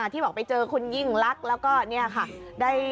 ที่บอกไปเจอคุณยิ่งลักษณ์แล้วก็เนี่ยค่ะ